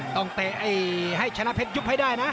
เตะให้ชนะเพชรยุบให้ได้นะ